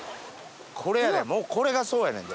これやねんもうこれがそうやねんで。